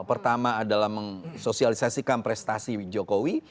pertama adalah meng sosialisasikan prestasi jokowi